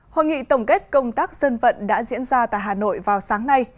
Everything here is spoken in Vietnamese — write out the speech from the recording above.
hội nghị tổng kết công tác dân vận đã diễn ra tại hà nội vào sáng nay